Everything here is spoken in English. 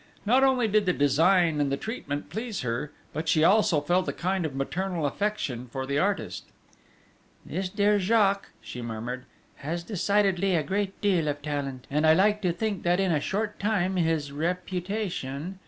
Not only did the design and the treatment please her, but she also felt a kind of maternal affection for the artist: "This dear Jacques," she murmured, "has decidedly a great deal of talent, and I like to think that in a short time his reputation...."